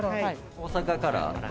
大阪から。